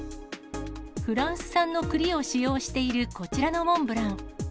フランス産の栗を使用している、こちらのモンブラン。